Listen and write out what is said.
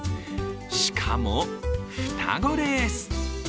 しかも双子です。